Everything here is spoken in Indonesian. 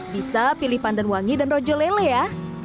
bisa pilih pandan wangi dan rojo lele ya